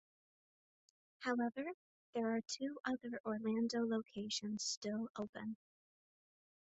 However there are two other Orlando locations still open.